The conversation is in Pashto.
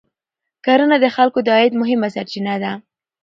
کرنه د خلکو د عاید مهمه سرچینه ده